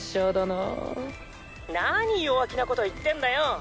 なに弱気なこと言ってんだよ！